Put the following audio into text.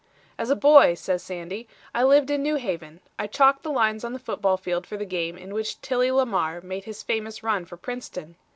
"As a boy," said Sandy, "I lived in New Haven. I chalked the lines on the football field for the game in which Tilly Lamar made his famous run for Princeton.